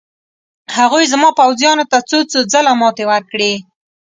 هغوی زما پوځیانو ته څو څو ځله ماتې ورکړې.